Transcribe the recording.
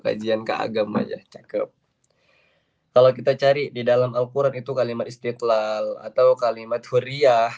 kajian keagama ya cakep kalau kita cari di dalam al quran itu kalimat istiqlal atau kalimat meriah